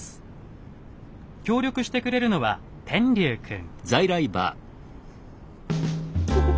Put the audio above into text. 協力してくれるのは天龍くん。